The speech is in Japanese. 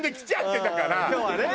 今日はね。